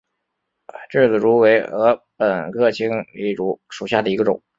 稚子竹为禾本科青篱竹属下的一个种。